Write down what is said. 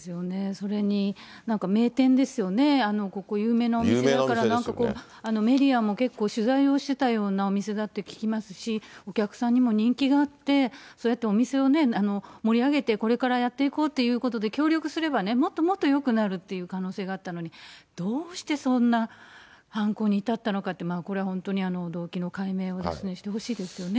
それに、なんか名店ですよね、ここ、有名なお店ですから、メディアも結構取材をしてたようなお店だって聞きますし、お客さんにも人気があって、そうやってお店を盛り上げて、これからやっていこうということで、協力すればね、もっともっとよくなるという可能性があったのに、どうしてそんな犯行に至ったのかって、これは本当に動機の解明をしてほしいですよね。